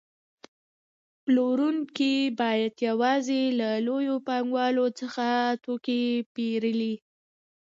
پلورونکي باید یوازې له لویو پانګوالو توکي پېرلی